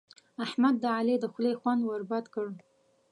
احمد د علي د خولې خوند ور بد کړ.